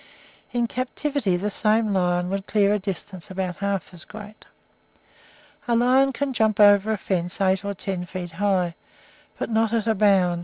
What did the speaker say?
In captivity the same lion would clear a distance about half as great. A lion can jump over a fence eight or ten feet high, but not at a bound.